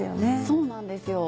そうなんですよ。